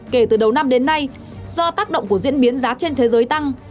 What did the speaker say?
kể từ đầu năm đến nay do tác động của diễn biến giá trên thế giới tăng